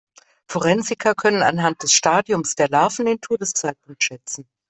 Forensiker können anhand des Stadiums der Larven den Todeszeitpunkt schätzen.